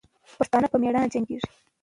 پښتانه په میړانې جنګېږي.